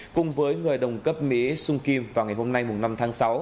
cùng với người đồng cấp mỹ sung kim vào ngày hôm nay năm tháng sáu